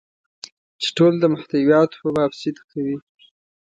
چې ټول د محتویاتو په باب صدق کوي.